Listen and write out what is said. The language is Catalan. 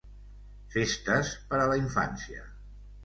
Festes per a la infància.